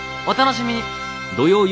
お楽しみに。